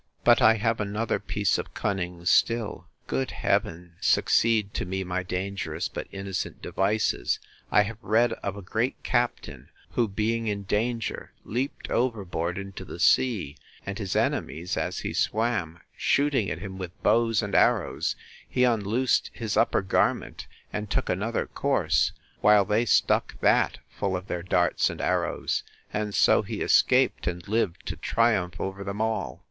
But I have another piece of cunning still: Good Heaven, succeed to me my dangerous, but innocent devices!—I have read of a great captain, who, being in danger, leaped overboard into the sea, and his enemies, as he swam, shooting at him with bows and arrows, he unloosed his upper garment, and took another course, while they stuck that full of their darts and arrows; and so he escaped, and lived to triumph over them all.